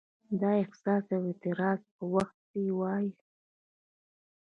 د احساس او اعتراض په وخت یې وایو.